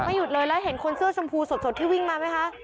หยุดเลยแล้วเห็นคนเสื้อชมพูสดที่วิ่งมาไหมคะ